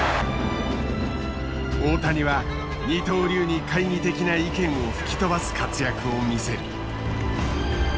大谷は二刀流に懐疑的な意見を吹き飛ばす活躍を見せる。